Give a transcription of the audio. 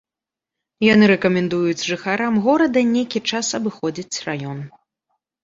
Яны рэкамендуюць жыхарам горада нейкі час абыходзіць раён.